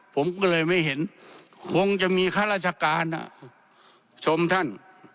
ผมก็เลยไม่เห็นคงจะมีข้าราชการชมท่าน